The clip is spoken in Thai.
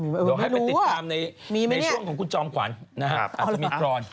ไม่รู้ว่ะมีมั้ยเนี่ยโดยให้ไปติดตามในช่วงของคุณจองขวานนะครับอาจจะมีกรอน